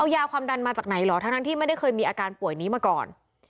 ยาความดันมาจากไหนเหรอทั้งที่ไม่ได้เคยมีอาการป่วยนี้มาก่อน